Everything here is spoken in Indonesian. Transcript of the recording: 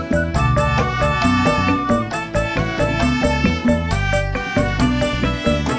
tidak saya tidak mau